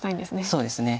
そうですね。